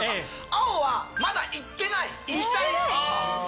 青はまだ行ってない行きたい。